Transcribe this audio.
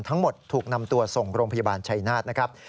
ทั้งหมดถูกนำตัวส่งโรงพยาบาลชัยนาธนะครับ